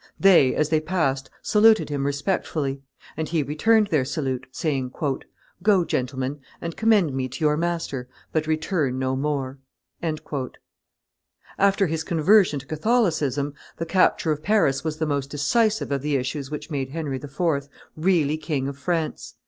They, as they passed, saluted him respectfully; and he returned their salute, saying, "Go, gentlemen, and commend me to your master; but return no more." After his conversion to Catholicism, the capture of Paris was the most decisive of the issues which made Henry IV. really King of France.